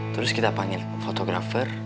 terus kita panggil fotografer